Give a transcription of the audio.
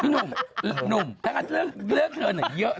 หนุ่มถ้าเลือกเธอเนี่ยเยอะนะ